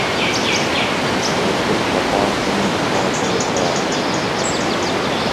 Na některých mapách není uváděn jeho název.